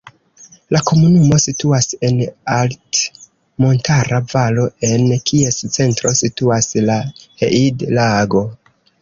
La komunumo situas en altmontara valo en kies centro situas la Heide-Lago.